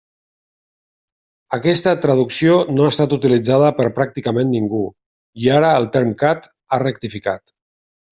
Aquesta traducció no ha estat utilitzada per pràcticament ningú, i ara el TERMCAT ha rectificat.